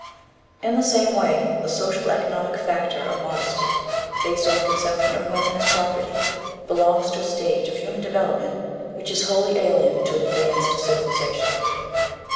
In the same way the social economic factor of modesty, based on the conception of women as property, belongs to a stage of human development which is wholly alien to an advanced civilization.